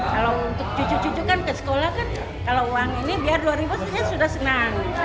kalau untuk cucu cucu kan ke sekolah kan kalau uang ini biar dua ribu sebenarnya sudah senang